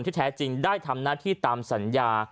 แท้จริงได้ทำหน้าที่ตามสัญญา